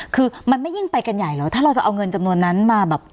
คือมันไม่ยิ่งไปกันใหญ่เหรอถ้าเราจะเอาเงินจำนวนนั้นมาแบบ